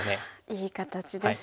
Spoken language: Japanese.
いい形ですね。